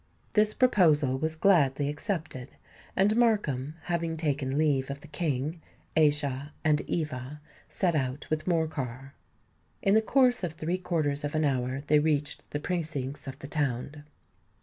This proposal was gladly accepted; and Markham, having taken leave of the King, Aischa, and Eva, set out with Morcar. In the course of three quarters of an hour they reached the precincts of the town.